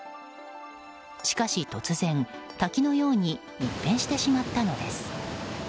しかし突然、滝のように一変してしまったのです。